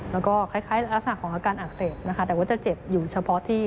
แล้วก็คล้ายลักษณะของอาการอักเสบนะคะแต่ว่าจะเจ็บอยู่เฉพาะที่